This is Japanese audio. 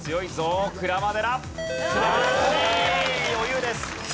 余裕です。